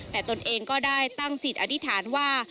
แต่ตนเองก็จะตั้งสิทธิ์อดีธานว่า